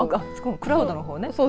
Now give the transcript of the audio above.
クラウドの方ね。